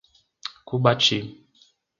Cubati